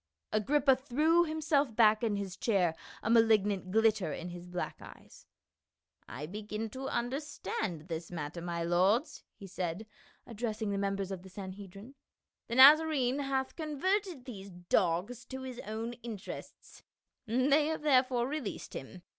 Agrippa threw himself back in his chair, a malig nant glitter in his black eyes. " I begin to understand this matter, my lords," he said, addressing the mem bers of the Sanhedrim. "The Nazarcne hath con verted these dogs to his own interests ; they have therefore released him.